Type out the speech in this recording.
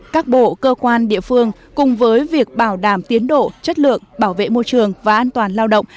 các bộ cơ quan địa phương cùng với việc bảo đảm tiến độ chất lượng bảo vệ môi trường và an toàn lao động